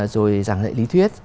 rồi ràng lệ lý thuyết